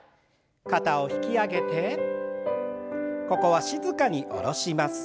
肩を引き上げてここは静かに下ろします。